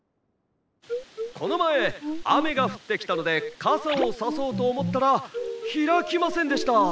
「このまえあめがふってきたのでかさをさそうとおもったらひらきませんでした。